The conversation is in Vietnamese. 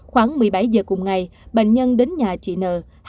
khoảng một mươi bảy h cùng ngày bệnh nhân đến nhà chị n